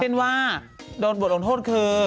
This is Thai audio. เช่นว่าโดนบทลงโทษคือ